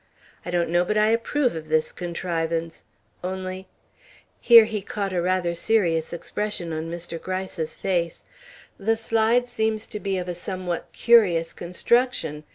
I don't know but I approve of this contrivance, only " here he caught a rather serious expression on Mr. Gryce's face "the slide seems to be of a somewhat curious construction.